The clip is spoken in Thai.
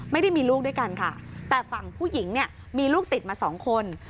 ไม่ได้มีลูกด้วยกันค่ะแต่ฝั่งผู้หญิงเนี่ยมีลูกติดมาสองคน